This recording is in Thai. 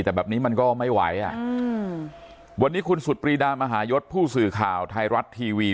แต่แบบนี้มันก็ไม่ไหวอ่ะอืมวันนี้คุณสุดปรีดามหายศผู้สื่อข่าวไทยรัฐทีวี